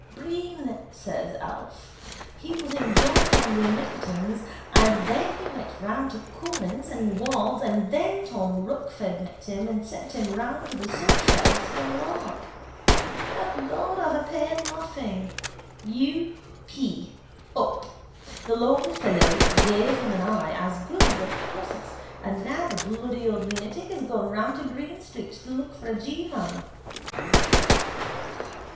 —Breen, says Alf. He was in John Henry Menton's and then he went round to Collis and Ward's and then Tom Rochford met him and sent him round to the subsheriff's for a lark. O God, I've a pain laughing. U. p: up. The long fellow gave him an eye as good as a process and now the bloody old lunatic is gone round to Green street to look for a G man.